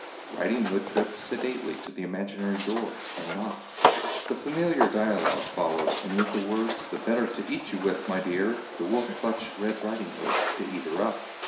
Riding Hood tripped sedately to the imaginary door, and knocked. The familiar dialogue followed, and with the words "the better to eat you with, my dear!" the wolf clutched Red Riding Hood, to eat her up.